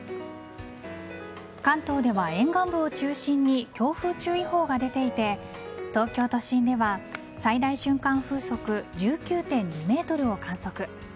関東では沿岸部を中心に強風注意報が出ていて東京都心では最大瞬間風速１９．２メートルを観測。